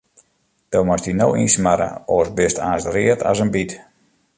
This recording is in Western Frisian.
Do moatst dy no ynsmarre, oars bist aanst sa read as in byt.